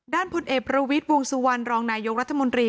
พลเอกประวิทย์วงสุวรรณรองนายกรัฐมนตรี